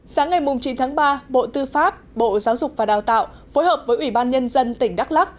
sáng ngày chín tháng ba bộ tư pháp bộ giáo dục và đào tạo phối hợp với ủy ban nhân dân tỉnh đắk lắc